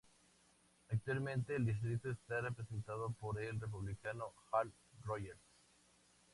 Actualmente el distrito está representado por el Republicano Hal Rogers.